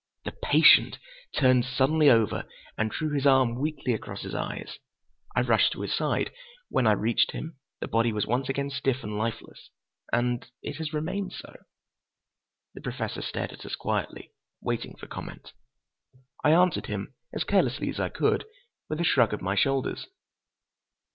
"The patient turned suddenly over and drew his arm weakly across his eyes. I rushed to his side. When I reached him, the body was once again stiff and lifeless. And—it has remained so." The Professor stared at us quietly, waiting for comment. I answered him, as carelessly as I could, with a shrug of my shoulders.